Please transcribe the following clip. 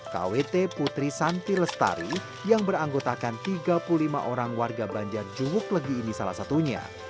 kwt putri santi lestari yang beranggotakan tiga puluh lima orang warga banjar juhuk legi ini salah satunya